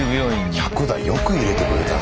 １００台よく入れてくれたな。